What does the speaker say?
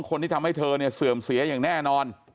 คนที่ทำให้เธอเนี่ยเสื่อมเสียอย่างแน่นอน